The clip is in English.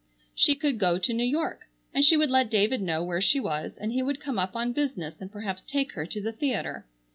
She could go to New York, and she would let David know where she was and he would come up on business and perhaps take her to the theatre.